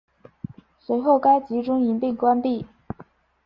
随后该集中营被关闭。